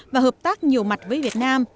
và hợp tác nhiều mặt với việt nam